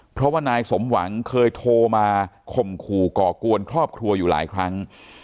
เพราะว่านายสมหวังเคยโทรมาข่มขู่ก่อกวนครอบครัวอยู่หลายครั้ง